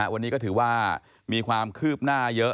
วันนี้ก็ถือว่ามีความคืบหน้าเยอะ